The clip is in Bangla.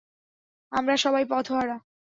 আমরা সবাই পথহারা।